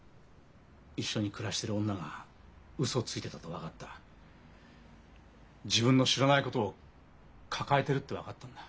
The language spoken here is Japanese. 一緒に暮らしてる女がウソをついてたと分かった自分の知らないことを抱えてるって分かったんだ。